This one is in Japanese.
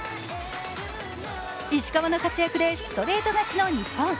石川の活躍でストレート勝ちの日本。